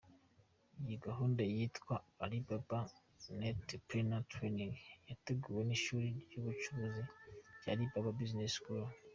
Iyi gahunda yitwa ‘Alibaba Netpreneur Training’ yateguwe n’ishuri ryubucuruzi rya Alibaba Business School.